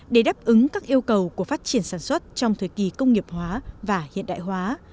để đáp ứng các yêu cầu của phát triển sản xuất trong thời kỳ công nghiệp hóa và hiện đại hóa